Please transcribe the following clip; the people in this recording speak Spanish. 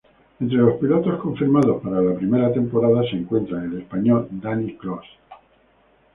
Entre los pilotos confirmados para la primera temporada se encuentra el español Dani Clos.